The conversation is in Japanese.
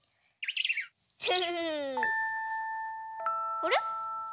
あれ？